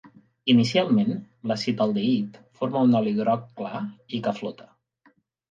Inicialment, l'acetaldehid forma un oli groc clar i que flota.